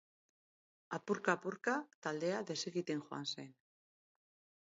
Apurka-apurka taldea desegiten joan zen.